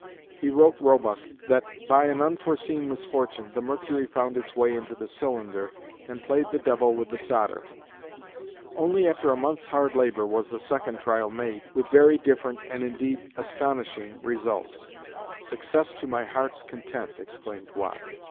He wrote Roebuck that "by an unforeseen misfortune, the mercury found its way into the cylinder and played the devil with the solder." Only after a month's hard labor was the second trial made, with very different and indeed astonishing results "success to my heart's content," exclaimed Watt.